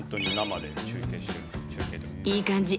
いい感じ。